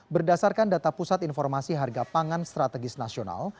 berdasarkan data pusat informasi harga pangan strategis nasional